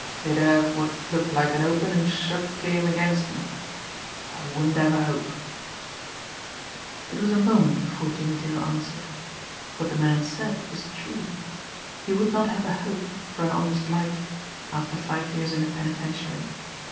They'd have what looked like an open and shut game against me. I wouldn't have a hope." It was a moment before Jimmie Dale answered. What the man said was true he would not have a hope for an honest life after five years in the penitentiary.